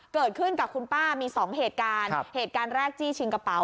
เกิดขึ้นกับคุณป้ามีสองเหตุการณ์เหตุการณ์แรกจี้ชิงกระเป๋